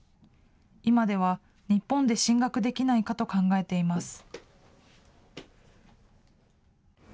今では日本で進学できないかと考えています。